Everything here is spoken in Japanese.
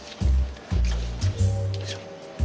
よいしょ。